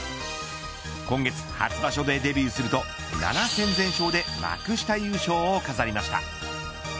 今月初場所でデビューすると７戦全勝で幕下優勝を飾りました。